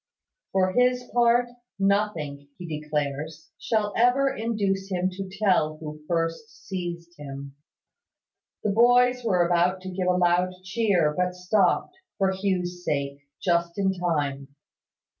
For his part, nothing, he declares, shall ever induce him to tell who first seized him." The boys were about to give a loud cheer, but stopped, for Hugh's sake, just in time.